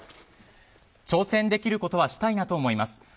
挑戦できることはしたいなと思います。